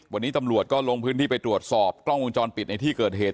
วันนี้ตำรวจก็ลงพื้นที่ไปตรวจสอบกล้องวงจรปิดในที่เกิดเหตุ